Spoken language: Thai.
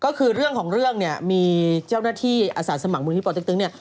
ก็คือเรื่องของเรื่องนี่มีเจ้าหน้าที่อาสารสมัครบุรุษธิปรติกตึ๊ง